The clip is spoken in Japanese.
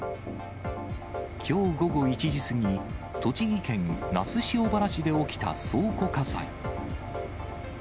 きょう午後１時過ぎ、栃木県那須塩原市で起きた倉庫火災。